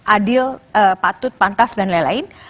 adil patut pantas dan lain lain